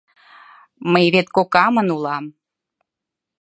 Мый вет кокамын улам.